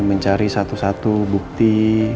mencari satu satu bukti